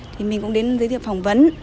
thì mình cũng đến giới thiệu phỏng vấn